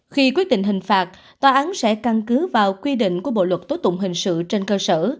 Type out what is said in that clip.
khi quyết định hình phạt tòa án sẽ căn cứ vào quy định của bộ luật tố tụng hình sự trên cơ sở